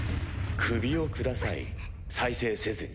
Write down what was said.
首を下さい再生せずに。